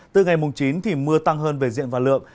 từ ngày mùng chín thì mưa tăng hơn về diện và lượng